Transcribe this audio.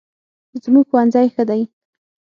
زموږ ښوونځی ښه دی